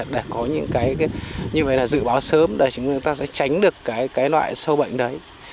để có những cái như vậy là dự báo sớm để chúng ta sẽ tránh được cái loại sâu bệnh đấy